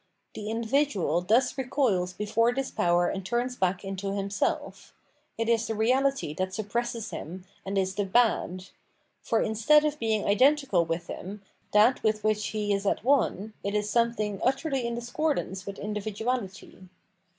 The individual thus recoils before this power and turns back into himself ; it is the reality that suppresses him, and is the bad. For instead of being identical with him, that with which he is at one, it is something utterly in discordance with individuality.